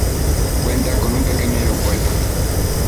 Cuenta con un pequeño aeropuerto.